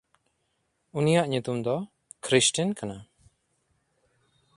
ᱩᱱᱤᱭᱟᱜ ᱧᱩᱛᱩᱢ ᱫᱚ ᱠᱷᱨᱭᱥᱴᱤᱱ ᱠᱟᱱᱟ᱾